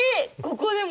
ここでも？